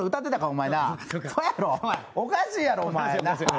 おかしいやろ、お前。